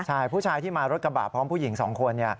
ใช่ผู้ชายที่มารถกระบะพร้อมผู้หญิง๒คน